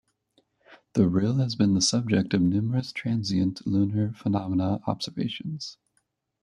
The rille has been the subject of numerous transient lunar phenomena observations.